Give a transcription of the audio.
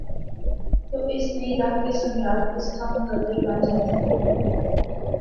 تو اس نئی راہ کے ثمرات اس کا مقدر بن جاتے ہیں ۔